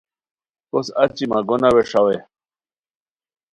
کوس اچی مہ گونہ ویݰاوے